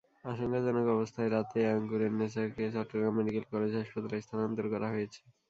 আশঙ্কাজনক অবস্থায় রাতেই আঙ্কুরের নেছাকে চট্টগ্রাম মেডিকেল কলেজ হাসপাতালে স্থানান্তর করা হয়েছে।